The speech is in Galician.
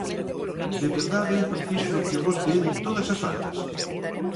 De verdade é preciso que bote el todas as faltas?